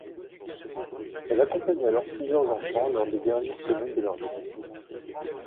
Elle accompagne alors plusieurs enfants lors des dernières semaines de leur vie.